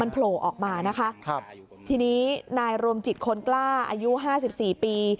โผล่ออกมานะคะครับทีนี้นายรวมจิตคนกล้าอายุห้าสิบสี่ปี